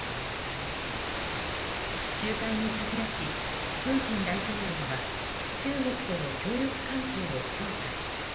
集会に先立ちプーチン大統領は中国との協力関係を強化。